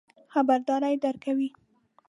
خبرداری درکوو.